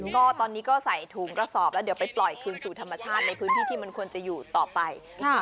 ก็ตอนนี้ก็ใส่ถุงกระสอบแล้วเดี๋ยวไปปล่อยคืนสู่ธรรมชาติในพื้นที่ที่มันควรจะอยู่ต่อไป